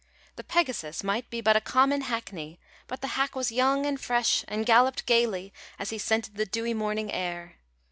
The Pegasus might be but a common hackney, but the hack was young and fresh, and galloped gaily as he scented the dewy morning air.